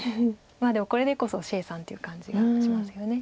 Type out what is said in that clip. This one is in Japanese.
でもこれでこそ謝さんっていう感じがしますよね。